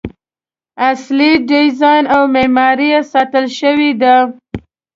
اصلي ډیزاین او معماري یې ساتل شوې ده.